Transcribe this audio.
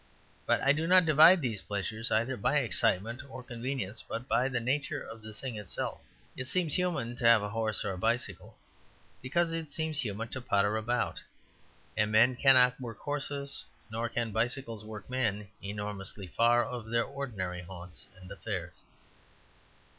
But I do not divide these pleasures either by excitement or convenience, but by the nature of the thing itself. It seems human to have a horse or bicycle, because it seems human to potter about; and men cannot work horses, nor can bicycles work men, enormously far afield of their ordinary haunts and affairs.